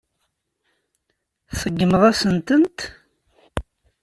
Tseggmeḍ-asent-tent.